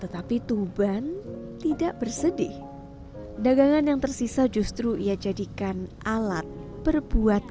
namun tak jarang tuban harus membawa pulang dagangan yang tersisa karena tidak laku terjual